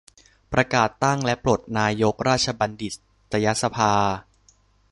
ประกาศตั้งและปลดนายกราชบัณฑิตยสภา